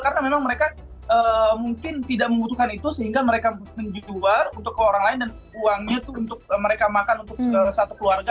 karena memang mereka mungkin tidak membutuhkan itu sehingga mereka menjual untuk ke orang lain dan uangnya itu untuk mereka makan untuk satu keluarga